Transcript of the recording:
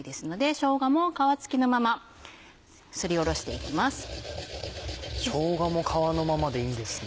しょうがも皮のままでいいんですね。